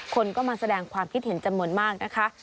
คนก็มาแสดงความคิดเห็นจำนวนมากนะคะ